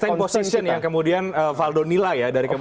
stag position yang kemudian valdo nilai ya